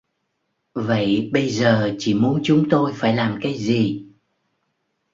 Vậy Bây giờ chị muốn chúng tôi phải làm cái gì